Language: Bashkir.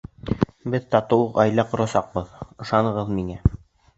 Беҙ татыу ғаилә ҡорасаҡбыҙ, ышанығыҙ миңә.